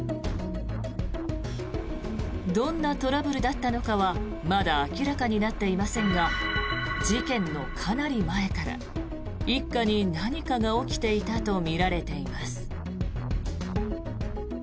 どんなトラブルだったのかはまだ明らかになっていませんが事件のかなり前から一家に何かが起きていたとみられています。